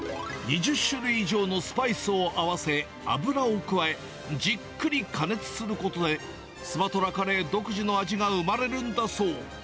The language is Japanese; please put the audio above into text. ２０種類以上のスパイスを合わせ、油を加え、じっくり加熱することで、スマトラカレー独自の味が生まれるんだそう。